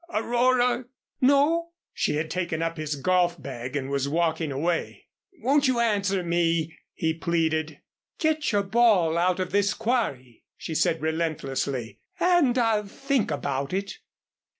'"] "Aurora " "No," she had taken up his golf bag and was walking away. "Won't you answer me?" he pleaded. "Get your ball out of this quarry," she said, relentlessly, "and I'll think about it."